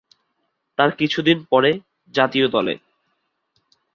তার কিছু দিন পরে জাতীয় দলে।